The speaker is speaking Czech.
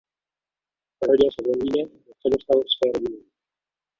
Narodil se v Londýně ve středostavovské rodině.